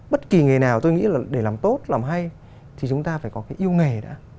bất kỳ nghề nào tôi nghĩ là để làm tốt làm hay thì chúng ta phải có cái yêu nghề đã